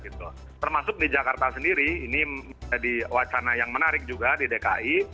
termasuk di jakarta sendiri ini menjadi wacana yang menarik juga di dki